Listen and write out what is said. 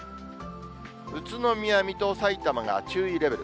宇都宮、水戸、さいたまが注意レベル。